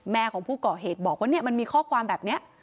ของผู้ก่อเหตุบอกว่าเนี่ยมันมีข้อความแบบนี้